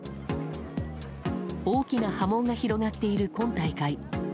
大きな波紋が広がっている今大会。